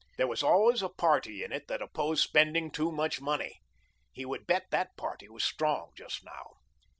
There was always a party in it that opposed spending too much money. He would bet that party was strong just now.